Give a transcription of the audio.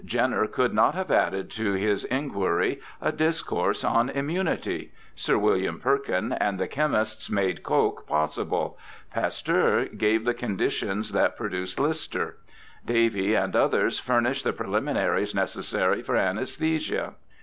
Jenner could not have added to his Inquiry a discourse on immunity ; Sir William Perkin and the chemists made Koch possible ; Pasteur gave the condi tions that produced Lister ; Davy and others furnished the preliminaries necessary for anaesthesia.